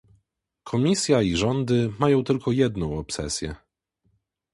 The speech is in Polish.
Komisja i rządy mają tylko jedną obsesję